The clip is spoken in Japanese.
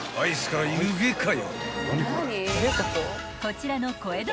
［こちらの］